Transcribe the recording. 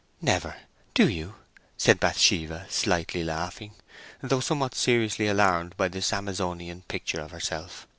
"Never! do you?" said Bathsheba, slightly laughing, though somewhat seriously alarmed by this Amazonian picture of herself.